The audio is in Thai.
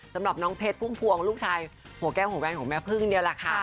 สำหรับน้องเพชรพุ่มพวงลูกชายหัวแก้วหัวแวนของแม่พึ่งนี่แหละค่ะ